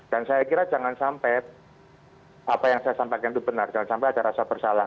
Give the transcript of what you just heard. dan saya kira jangan sampai apa yang saya sampaikan itu benar jangan sampai ada rasa bersalah